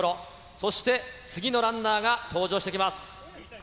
そして次のランナーが登場してきます。